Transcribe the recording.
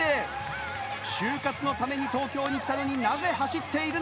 就活のために東京に来たのになぜ走っているのか？